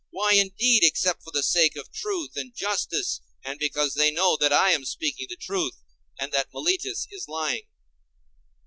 Why, indeed, except for the sake of truth and justice, and because they know that I am speaking the truth, and that Meletus is lying.